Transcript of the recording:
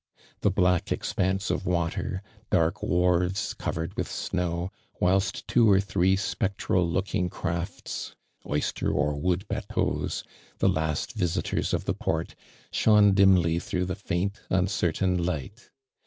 The black expanse of wa^^^ei", dark wharves covered with snow, whilst two or three spectral looking crafts, oyster or wood batteaux, the last visitors of the port, shone dimly through the faint, uncertain light.